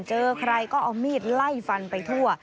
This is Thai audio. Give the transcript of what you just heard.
เจอใครก็เอามีดไล่ฟันไปทั่ว